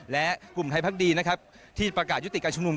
และกลุ่มไทยพักดีนะครับที่ประกาศยุติการชุมนุม